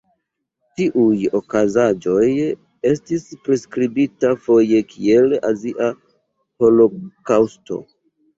Tiuj okazaĵoj estis priskribita foje kiel Azia Holokaŭsto.